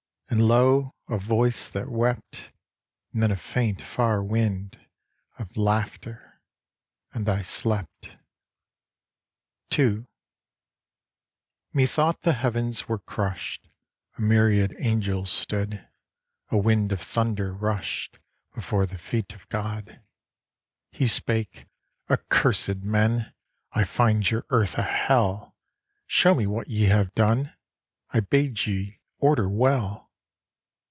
And lo! a voice that wept, And then a faint far wind Of laughter; and I slept. II Methought the heav'ns were crusht; A myriad angels stood; A wind of thunder rusht Before the feet of God. He spake: 'Accursèd men, I find your earth a hell; Show me what ye have done; I bade ye order well.